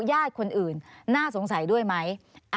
ญาติคนอื่นน่าสงสัยด้วยไหม